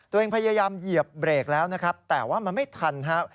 ตัวเองพยายามเหยียบเบรกแล้วนะครับแต่ว่ามันไม่ทันครับ